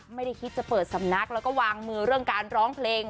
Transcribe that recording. ไม่ได้คิดจะเปิดสำนักแล้วก็วางมือเรื่องการร้องเพลง